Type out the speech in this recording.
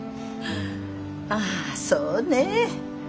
ああそうね。